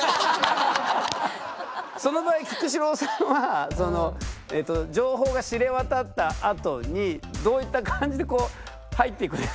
その場合菊紫郎さんは情報が知れ渡ったあとにどういった感じで入っていくんですか。